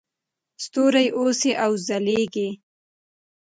ستوري اوسئ او وځلیږئ.